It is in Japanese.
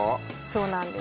そうなんです